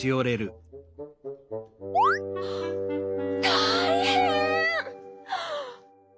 たいへん！